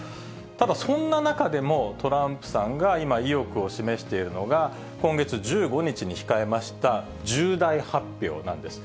ただ、そんな中でも、トランプさんが今、意欲を示しているのが、今月１５日に控えました、重大発表なんです。